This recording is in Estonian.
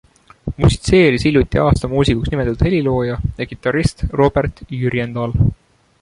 Musitseeris hiljuti aasta muusikuks nimetatud helilooja ja kitarrist Robert Jürjendal.